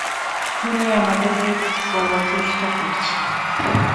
খুনি আমাদেরকে কিছু বলার চেষ্টা করছে।